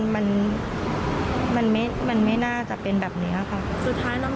มันไม่น่าจะเป็นแบบนี้ละค่ะ